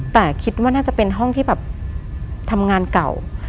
แต่คิดว่าน่าจะเป็นห้องที่แบบทำงานเก่า